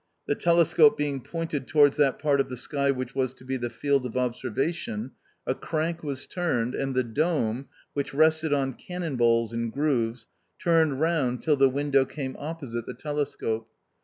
The telescope being pointed towards that part of the sky which was to be the field of ob servation, a crank was turned, and the dome, which rested on cannon balls in grooves, turned round till the window came opposite the telescope.